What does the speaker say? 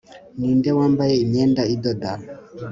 Ninde wambaye imyenda idoda